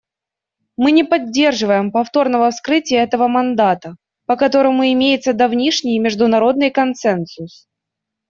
Мы не поддерживаем повторного вскрытия этого мандата, по которому имеется давнишний международный консенсус.